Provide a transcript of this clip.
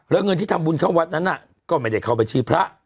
แล้วเงินที่ทำบุญเข้าวัดนั้นก็ไม่ได้เข้าบัญชีพระ